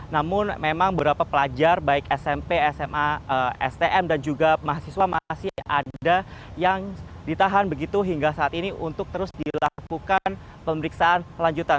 namun memang beberapa pelajar baik smp sma stm dan juga mahasiswa masih ada yang ditahan begitu hingga saat ini untuk terus dilakukan pemeriksaan lanjutan